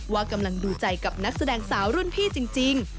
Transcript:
ว่ากำลังดูใจกับนักแสดงสาวรุ่นพี่จริง